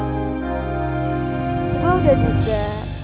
gue udah juga